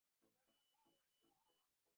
নীচে গিয়া দেখিল চারি দিকে পিতলের কলস।